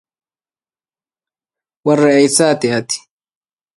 هاتها حمراء تحكي العندما